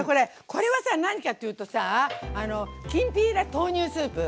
これはさ何かって言うとさきんぴら豆乳スープ。